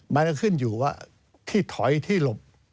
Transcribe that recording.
มันก็ขึ้นอยู่ว่าที่ถอยที่หลบ